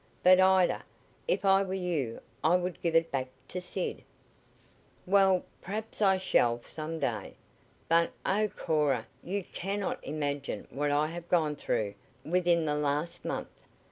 "But, Ida, if I were you I would give it back to Sid." "Well, perhaps I shall some day. But oh, Cora, you cannot imagine what I have gone through with in the last month!"